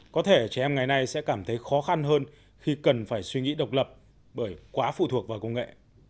có thể trẻ em ngày nay sẽ cảm thấy khó khăn hơn khi cần phải suy nghĩ độc lập bởi quá phụ thuộc vào công nghệ